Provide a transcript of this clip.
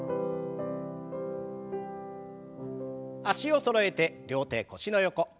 脚をそろえて両手腰の横。